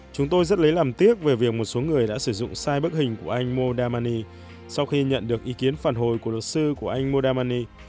chúng tôi rất lấy làm tiếc về việc một số người đã sử dụng sai bức hình của anh mod damani sau khi nhận được ý kiến phản hồi của luật sư của anh modimani